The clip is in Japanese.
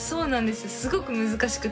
すごく難しくて。